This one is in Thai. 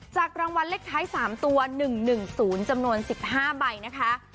รางวัลเลขท้าย๓ตัว๑๑๐จำนวน๑๕ใบนะคะ